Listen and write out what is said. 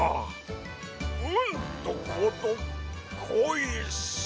うんとこどっこいシャ！